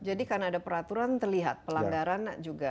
jadi karena ada peraturan terlihat pelanggaran juga